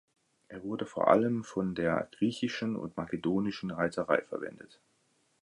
Er wurde vor allem von der griechischen und makedonischen Reiterei verwendet.